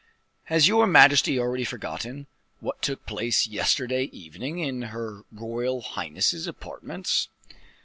"Has your majesty already forgotten what took place yesterday evening in her royal highness's apartments?"